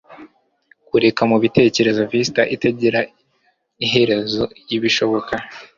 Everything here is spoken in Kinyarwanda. Kureka mubitekerezo vista itagira iherezo yibishoboka